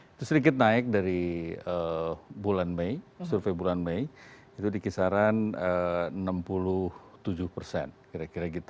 itu sedikit naik dari survei bulan mei itu di kisaran enam puluh tujuh persen kira kira gitu